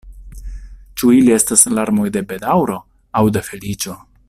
Ĉu ili estas larmoj de bedaŭro, aŭ de feliĉo?